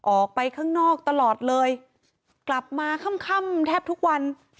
ออกไปข้างนอกตลอดเลยกลับมาค่ำค่ำแทบทุกวัน